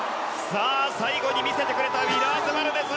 最後に見せてくれたウィラーズバルデズ。